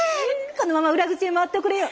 このまま裏口へ回っておくれよ。